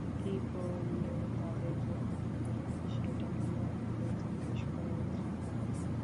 কী করলে তাদের জন্য ভালো হবে সেটা কি আমাদের জিজ্ঞেস করা উচিত নয়?